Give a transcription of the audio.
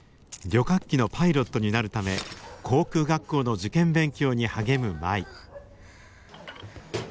旅客機のパイロットになるため航空学校の受験勉強に励む舞。